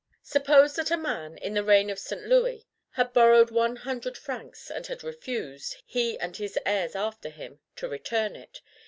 Suppose that a man, in the reign of St. Louis, had borrowed one hundred francs, and had refused, he and his heirs after him, to return it.